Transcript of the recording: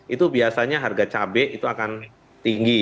itu biasanya harga cabai itu akan tinggi